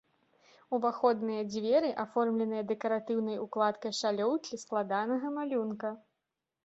Уваходныя дзверы аформленыя дэкаратыўнай укладкай шалёўкі складанага малюнка.